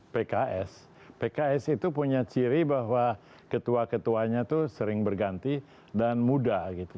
pks pks itu punya ciri bahwa ketua ketuanya itu sering berganti dan muda gitu